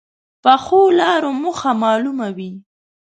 پخو لارو موخه معلومه وي